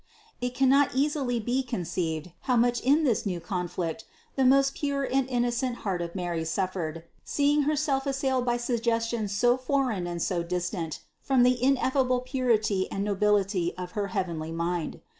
696. It cannot easily be conceived how much in this new conflict the most pure and innocent heart of Mary suffered, seeing Herself assailed by suggestions so foreign and so distant from the ineffable purity and nobility of her heavenly mind.